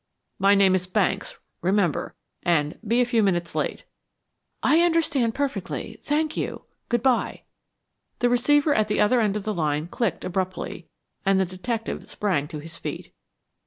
My name is Banks, remember, and be a few minutes late." "I understand perfectly. Thank you. Good by." The receiver at the other end of the line clicked abruptly, and the detective sprang to his feet.